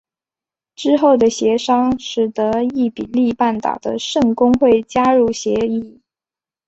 之后的协商使得伊比利半岛的圣公会加入协议。